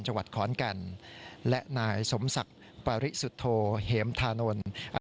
จังหวัดขอนแก่นและนายสมศักดิ์ปริสุทธโธเหมธานนท์